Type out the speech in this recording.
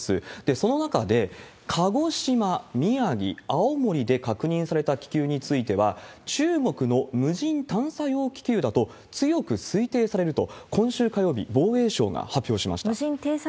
その中で、鹿児島、宮城、青森で確認された気球については、中国の無人探査用気球だと強く推定されると、今週火曜日、防衛省が発表しました。